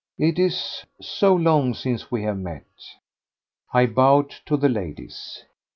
It is so long since we have met." I bowed to the ladies.